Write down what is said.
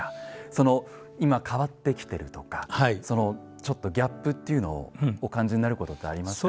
その今変わってきてるとかそのちょっとギャップっていうのをお感じになることってありますか？